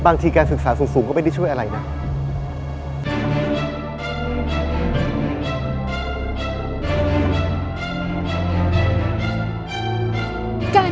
บางทีการศึกษาสูงก็ไม่ได้ช่วยอะไรนะ